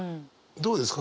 どうですか？